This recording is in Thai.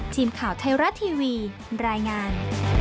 ทีมข่าวไทยรัฐทีวีรายงาน